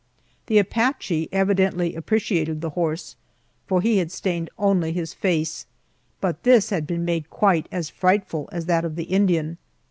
The Apache evidently appreciated the horse, for he had stained only his face, but this had been made quite as frightful as that of the Indian.